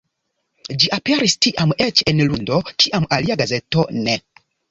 Ĝi aperis tiam eĉ en lundo, kiam alia gazeto ne.